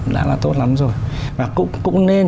đã là tốt lắm rồi và cũng nên